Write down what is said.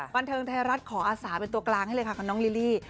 บันเทิงไทยรัฐขออาศาเป็นตัวกลางให้เลยค่ะของน้องลิลลี่